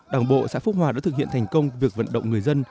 đảng bộ xã phúc hòa đã thực hiện thành công việc vận động người dân